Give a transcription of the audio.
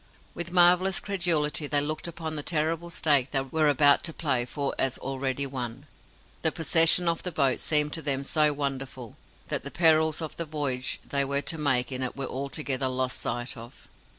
With marvellous credulity they looked upon the terrible stake they were about to play for as already won. The possession of the boat seemed to them so wonderful, that the perils of the voyage they were to make in it were altogether lost sight of.